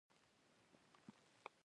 له دې پرته موږ ژوند نه شو کولی.